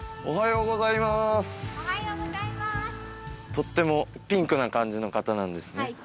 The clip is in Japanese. おはようございますとってもピンクな感じの方なんですね